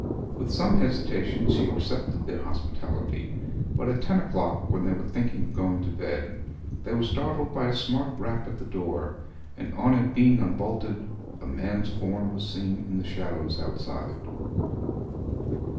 With some hesitation she accepted their hospitality; but at ten o'clock, when they were thinking of going to bed, they were startled by a smart rap at the door, and on it being unbolted a man's form was seen in the shadows outside.